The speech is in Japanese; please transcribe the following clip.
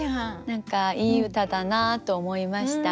何かいい歌だなと思いました。